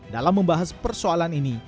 dalam membahas persoalan ini